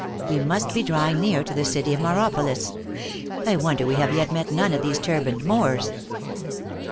We must be drawing near to the city of Mauropolis. I wonder we have yet met none of these turbaned Moors."